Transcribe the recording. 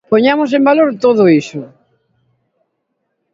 Poñamos en valor todo iso.